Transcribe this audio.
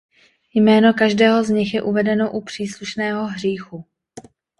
Jméno každého z nich je uvedeno u příslušného hříchu.